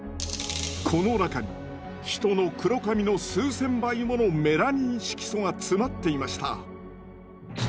この中に人の黒髪の数千倍ものメラニン色素が詰まっていました。